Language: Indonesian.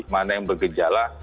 mana yang bergejala